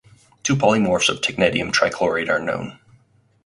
Two polymorphs of technetium trichloride are known.